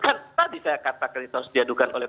kan tadi saya kata kritis diadukan oleh